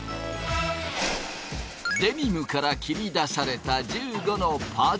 デニムから切り出された１５のパーツ。